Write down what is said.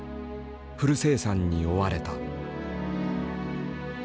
フル生産に追われた。